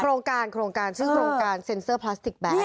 โครงการโครงการชื่อโครงการเซ็นเซอร์พลาสติกแดด